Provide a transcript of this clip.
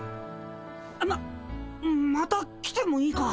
ままた来てもいいか？